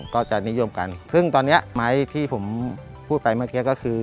ก็จะนิยมกันซึ่งตอนนี้ไม้ที่ผมพูดไปเมื่อกี้ก็คือ